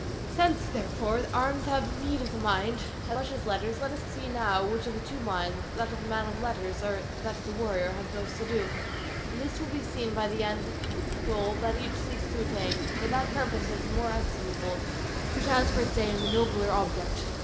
Since, therefore, arms have need of the mind, as much as letters, let us see now which of the two minds, that of the man of letters or that of the warrior, has most to do; and this will be seen by the end and goal that each seeks to attain; for that purpose is the more estimable which has for its aim the nobler object.